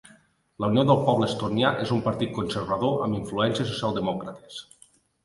La Unió del Poble Estonià és un partit conservador amb influències socialdemòcrates.